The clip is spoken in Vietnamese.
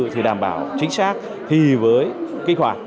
thì đảm bảo chính xác thì với kích hoạt